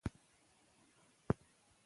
ماشومان د ټولنې راتلونکي جوړوونکي دي.